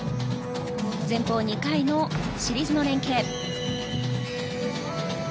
前方２回のシリーズの連係。